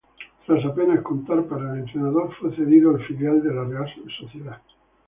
Tras apenas contar para el entrenador, fue cedido al filial de la Real Sociedad.